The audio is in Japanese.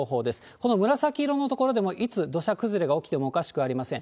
この紫色の所でも、いつ土砂崩れが起きてもおかしくありません。